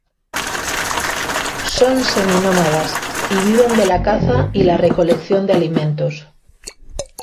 Son seminómadas y viven de la caza y la recolección de alimentos.